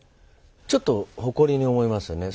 ちょっと誇りに思いますよね